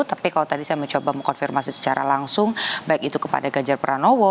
tapi kalau tadi saya mencoba mengkonfirmasi secara langsung baik itu kepada ganjar pranowo